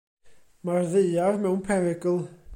Mae'r Ddaear mewn perygl.